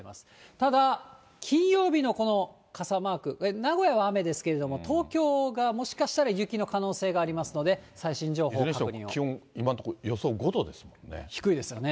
ただ、金曜日のこの傘マーク、名古屋は雨ですけれども、東京がもしかしたら、雪の可能性がありますので、気温、今のところ、低いですよね。